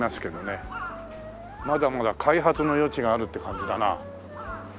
まだまだ開発の余地があるって感じだな。